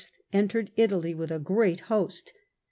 entered Italy with a great host.